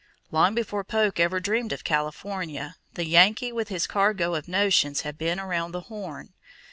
Long before Polk ever dreamed of California, the Yankee with his cargo of notions had been around the Horn.